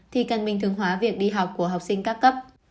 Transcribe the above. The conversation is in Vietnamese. thì cần bình thường hóa việc đi học của học sinh các cấp